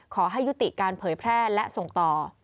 ขอให้ยุติการเผยแพร่และส่งต่อ